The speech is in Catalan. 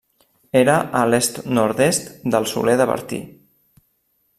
Era a l'est-nord-est del Soler de Bertí.